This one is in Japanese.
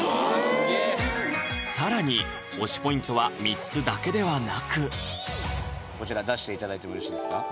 すげえ更に推しポイントは３つだけではなくこちら出していただいてもよろしいですか